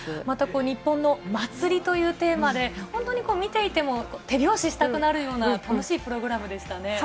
日本の祭りというテーマで見ていても手拍子したくなるような、楽しいプログラムでしたね。